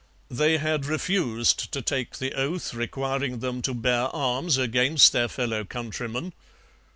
They had refused to take the oath requiring them to bear arms against their fellow countrymen.